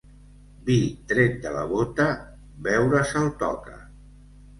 Vi tret de la bota, beure-se'l toca.